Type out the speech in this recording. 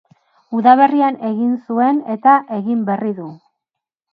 Udaberrian egin zuen eta egin berri du.